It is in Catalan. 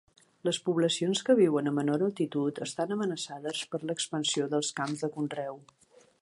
Les poblacions que viuen a menor altitud estan amenaçades per l'expansió dels camps de conreu.